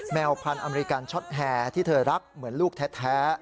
พันธุ์อเมริกันช็อตแฮร์ที่เธอรักเหมือนลูกแท้